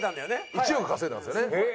１億稼いだんですよね。